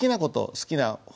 「好きな本」